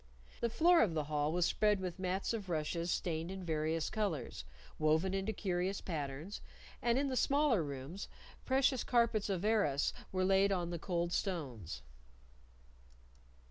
The floor of the hall was spread with mats of rushes stained in various colors, woven into curious patterns, and in the smaller rooms precious carpets of arras were laid on the cold stones.